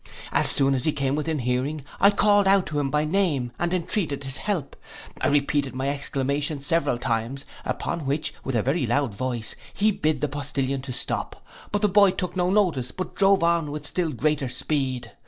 As soon as we came within hearing, I called out to him by name, and entreated his help. I repeated my exclamations several times, upon which, with a very loud voice, he bid the postillion stop; but the boy took no notice, but drove on with still greater speed.